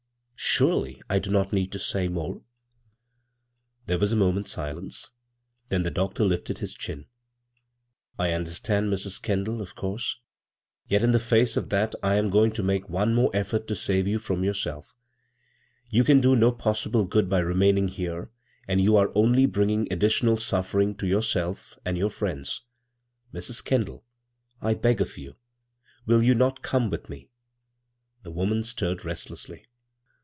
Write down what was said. Surdy I do not need to say more !" There was a moment's silence, then the doctor lifted his chin. "I understand, Mrs. Kendall, of course. Yet in the face of that I am going to make 73 b, Google CROSS CURRENTS one more effort to save you from yourself. You can do no possible good by remaining here, and you are only bringing additional suffering to yourself and your friends. Mrs. Kendall, I beg of you — will you not come with me?" The woman stirred resdessly.